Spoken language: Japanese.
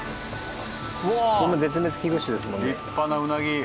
これも絶滅危惧種ですもんね。